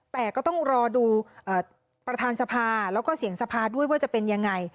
แต่ก็ต้องรอดูประธานสภาแล้วก็เสียงสภาด้วยว่าจะเป็นยังไง